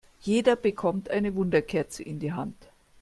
Jeder bekommt eine Wunderkerze in die Hand.